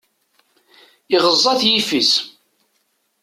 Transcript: Iɣeẓẓa-t yiffis.